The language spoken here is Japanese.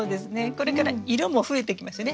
これから色も増えてきますよね。